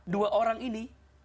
dua orang ini